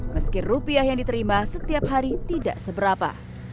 meski rupiah yang diterima setiap hari tidak seberapa